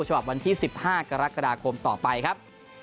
ฉบับวันที่๑๕กรกฎาคมต่อไปครับ